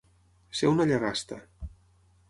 Ser una llagasta.